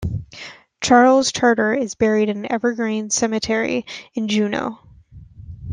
Charles Charter is buried in Evergreen Cemetery, in Juneau.